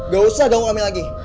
gak usah kamu ngamil lagi